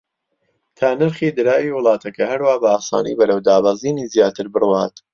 تا نرخی دراوی وڵاتەکە هەروا بە ئاسانی بەرەو دابەزینی زیاتر بڕوات